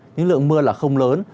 nhưng lượng mưa là không lớn